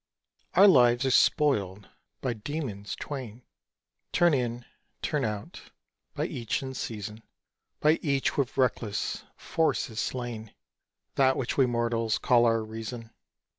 Our lives are spoiled by demons twain; Turn in, turn out; by each, in season; By each with reckless force is slain That which we mortals call our reason.